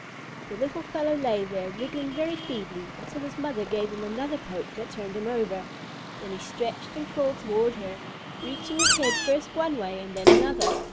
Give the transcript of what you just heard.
The little fellow lay there, wriggling very feebly, until his mother gave him another poke that turned him over. Then he stretched and crawled toward her, reaching his head first one way and then another.